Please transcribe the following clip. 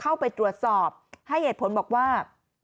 เข้าไปตรวจสอบให้เหตุผลบอกว่า